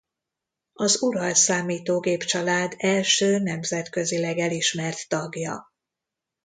Az Ural számítógép család első nemzetközileg elismert tagja.